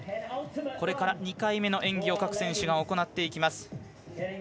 これから２回目の演技を各選手が行っていきます。